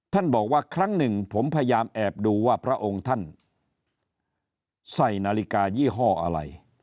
ท่านบอกว่าครั้งหนึ่งผมพยายามแอบดูว่าพระองค์ท่านใส่นาฬิกายี่ห้ออะไร